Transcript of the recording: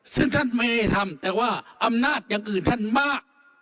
ซึ่งท่านไม่ได้ทำแต่ว่าอำนาจอย่างอื่นท่านบ้า